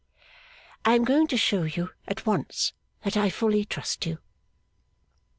I am going to show you, at once, that I fully trust you.